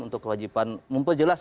untuk kewajiban memperjelas